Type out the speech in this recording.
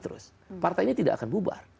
terus partai ini tidak akan bubar